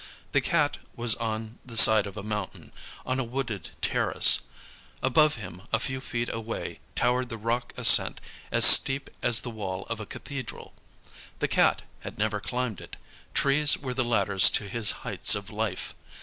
The Cat was on the side of a mountain, on a wooded terrace. Above him a few feet away towered the rock ascent as steep as the wall of a cathedral. The Cat had never climbed it trees were the ladders to his heights of life.